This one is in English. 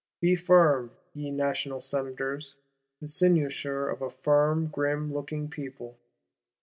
Be firm, ye National Senators; the cynosure of a firm, grim looking people!